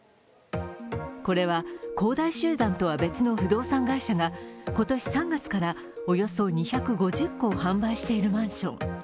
これは恒大集団とは別の不動産会社が今年３月からおよそ２５０戸を販売しているマンション。